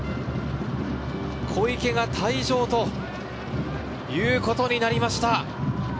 小池が退場ということになりました。